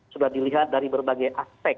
sudah dilihat dari berbagai aspek